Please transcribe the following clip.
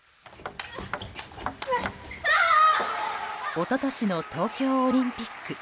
一昨年の東京オリンピック。